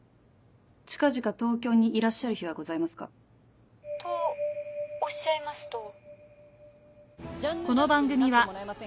近々東京にいらっしゃる日はございますか？とおっしゃいますと。